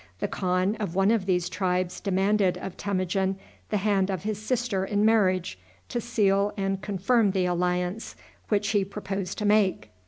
The khan of one of these tribes demanded of Temujin the hand of his sister in marriage to seal and confirm the alliance which he proposed to make.